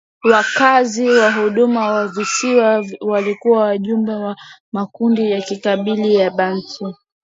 Wakazi wa kudumu wa visiwa walikuwa wajumbe wa makundi ya kikabila ya Bantu